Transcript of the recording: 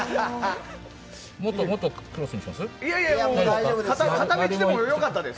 もっとクロスにします？